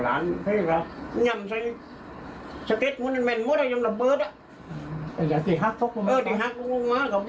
การลงมาค่ะติดเก้าไว้โลกไยการลงมาค่ะ